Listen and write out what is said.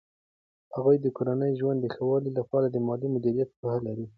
هغې د کورني ژوند د ښه والي لپاره د مالي مدیریت پوهه لري.